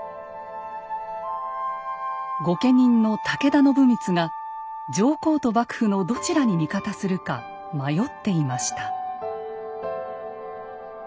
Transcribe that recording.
御家人の武田信光が上皇と幕府のどちらに味方するか迷っていました。